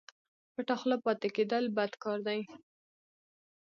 پټه خوله پاته کېدل بد کار دئ